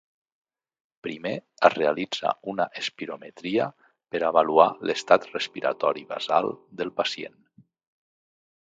Primer es realitza una espirometria per avaluar l'estat respiratori basal del pacient.